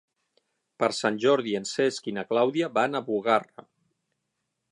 Per Sant Jordi en Cesc i na Clàudia van a Bugarra.